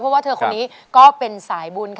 เพราะว่าเธอคนนี้ก็เป็นสายบุญค่ะ